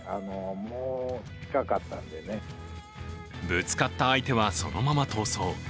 ぶつかった相手はそのまま逃走。